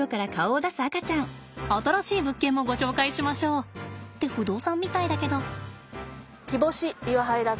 新しい物件もご紹介しましょう。って不動産みたいだけど。